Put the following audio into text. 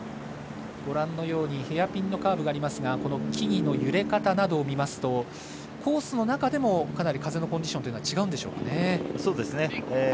ご覧のようにヘアピンのカーブがありますが木々の揺れ方などを見ますとコースの中でもかなり風のコンディションが違うんでしょうかね。